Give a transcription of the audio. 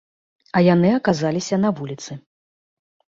А яны аказаліся на вуліцы.